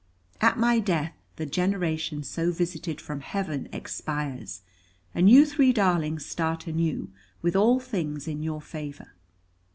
At my death, the generation so visited from heaven expires; and you three darlings start anew, with all things in your favour.